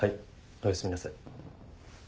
おやすみなさい。